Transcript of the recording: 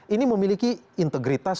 ini memiliki integritas